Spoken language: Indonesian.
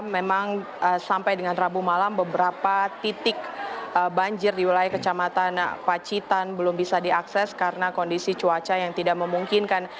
memang sampai dengan rabu malam beberapa titik banjir di wilayah kecamatan pacitan belum bisa diakses karena kondisi cuaca yang tidak memungkinkan